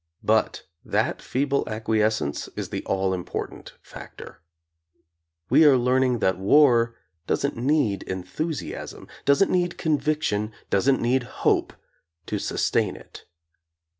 But that feeble acquiescence is the all important factor. We are learning that war doesn't need enthusiasm, doesn't need conviction, doesn't need hope, to sus tain it.